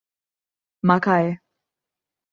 Macaé